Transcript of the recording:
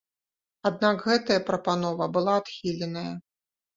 Аднак гэтая прапанова была адхіленая.